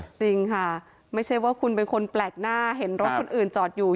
จริงค่ะไม่ใช่ว่าคุณเป็นคนแปลกหน้าเห็นรถคนอื่นจอดอยู่